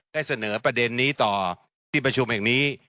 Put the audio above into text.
ได้เสนอประเด็นนี้ต่อที่ประชุมแห่งนี้